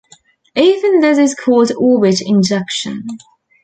Often this is called orbit injection.